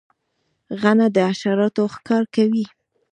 غڼه د حشراتو ښکار کوي